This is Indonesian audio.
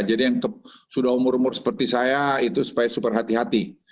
jadi yang sudah umur umur seperti saya itu supaya super hati hati